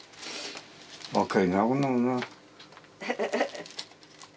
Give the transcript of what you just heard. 若いなこんなのな。